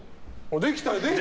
できたよ。